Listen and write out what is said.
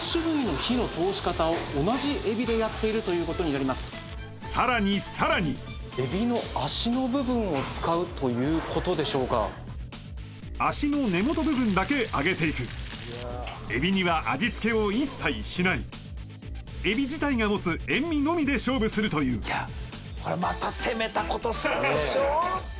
見ててさらにさらにさらにエビの足の部分を使うということでしょうか足の根元部分だけ揚げていくエビには味つけを一切しないエビ自体が持つ塩みのみで勝負するといういやほらまた攻めたことするでしょう？